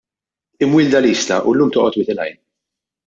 Imwielda l-Isla u llum toqgħod Wied il-Għajn.